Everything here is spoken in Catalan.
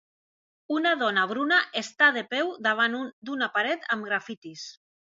Una dona bruna està de peu davant d'una paret amb graffitis